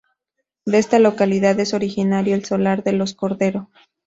De esta localidad es originario el solar de los Cordero.